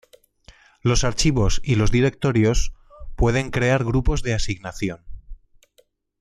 Los archivos y los directorios pueden crear grupos de asignación.